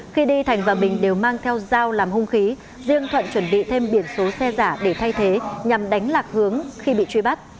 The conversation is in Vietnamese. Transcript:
khi đi thành và bình đều mang theo dao làm hung khí riêng thuận chuẩn bị thêm biển số xe giả để thay thế nhằm đánh lạc hướng khi bị truy bắt